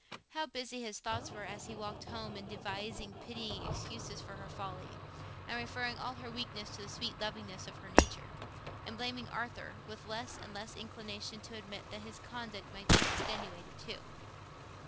How busy his thoughts were, as he walked home, in devising pitying excuses for her folly, in referring all her weakness to the sweet lovingness of her nature, in blaming Arthur, with less and less inclination to admit that his conduct might be extenuated too!